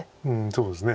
そうですね。